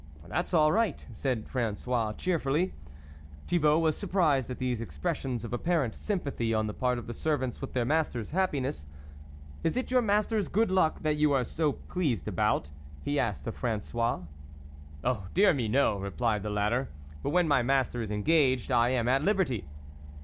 " That's all right," said Francois cheer fully. Thibault was surprised at these expres sions of apparent sympathy on the part of the servants with their master's happiness. " Is it your master's good luck that you are so pleased about ?" he asked of Fran9ois. " Oh, dear me no !" replied the latter, " but when my master is engaged, I am at liberty!